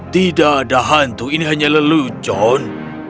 tidak ada hantu ini hanya lelucon